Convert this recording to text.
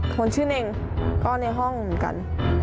คนชื่อเน่งก็ในห้องเหมือนกัน